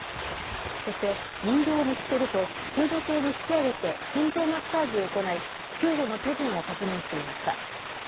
そして人形を見つけると救助艇に引き上げて心臓マッサージを行い救助の手順を確認していました。